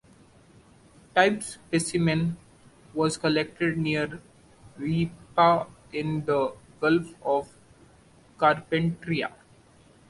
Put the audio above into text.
Type specimen was collected near Weipa in the Gulf of Carpentaria.